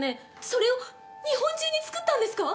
それを日本中につくったんですか！？